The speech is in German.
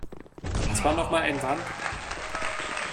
Was war noch mal ein Vamp?